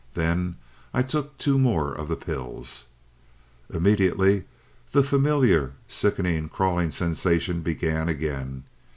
Then I took two more of the pills. "Immediately the familiar, sickening, crawling sensation began again.